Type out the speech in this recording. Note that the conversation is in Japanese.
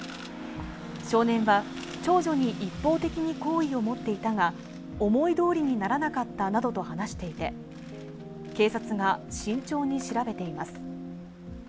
少年は、長女に一方的に好意を持っていたが、思いどおりにならなかったなどと話していて、警察が慎重に調べています。